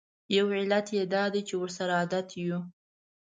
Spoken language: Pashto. یو علت یې دا دی چې ورسره عادت یوو.